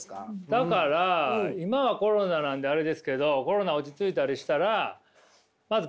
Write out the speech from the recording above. だから今はコロナなんであれですけどコロナ落ち着いたりしたら。